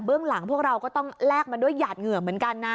หลังพวกเราก็ต้องแลกมาด้วยหยาดเหงื่อเหมือนกันนะ